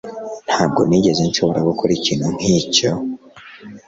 Ntabwo nigeze nshobora gukora ikintu nkicyo